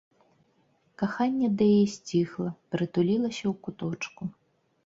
Каханне да яе сціхла, прытулілася ў куточку.